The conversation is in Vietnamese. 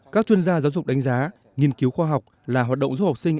các chuyên gia giáo dục đánh giá nghiên cứu khoa học là hoạt động giúp học sinh